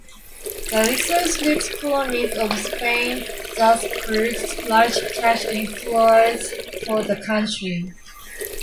The resource-rich colonies of Spain thus caused large cash inflows for the country.